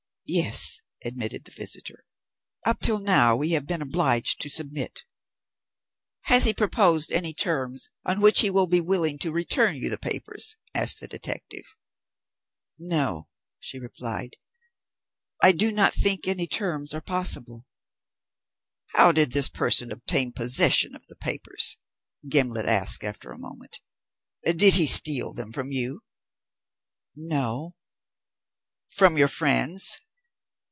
"Yes," admitted the visitor. "Up till now we have been obliged to submit." "Has he proposed any terms on which he will be willing to return you the papers?" asked the detective. "No," she replied. "I do not think any terms are possible." "How did this person obtain possession of the papers?" Gimblet asked after a moment. "Did he steal them from you?" "No." "From your friends?"